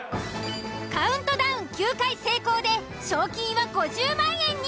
カウントダウン９回成功で賞金は５０万円に。